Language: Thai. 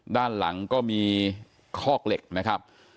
ด้านหลังก็มีคอกเหล็กนะครับ